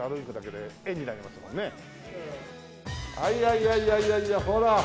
いやいやいやいやほら。